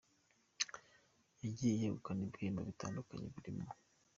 Yagiye yegukana ibihembo bitandukanye birimo.